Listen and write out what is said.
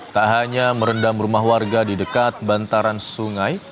tak hanya merendam rumah warga di dekat bantaran sungai